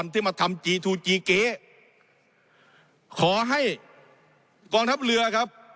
ที่มาทำจีทูจีเก๊ขอให้กองทัพเรือครับ